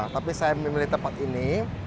tapi saya memilih tempat ini